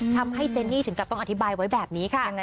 เจนี่ถึงกับต้องอธิบายไว้แบบนี้ค่ะ